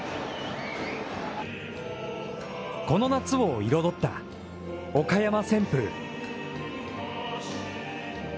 この夏を彩ったおかやま旋風。